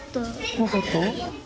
怖かった？